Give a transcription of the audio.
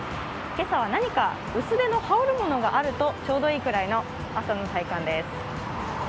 今朝は何か薄手の羽織るものがあるとちょうどいい朝の体感です。